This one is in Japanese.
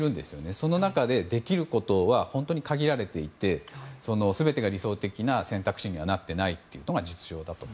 その中でできることは本当に限られていて全てが理想的な選択肢にはなっていないのが実情だと。